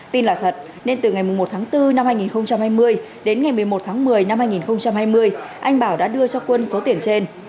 tin là thật nên từ ngày một tháng bốn năm hai nghìn hai mươi đến ngày một mươi một tháng một mươi năm hai nghìn hai mươi anh bảo đã đưa cho quân số tiền trên